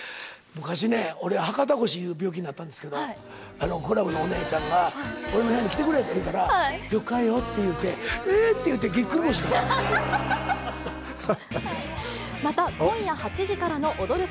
昔ね、俺、博多腰っていう病気になったんですけど、クラブのお姉ちゃんが、俺の部屋に来てくれって言うたら、よかよって言って、また、今夜８時からの踊る！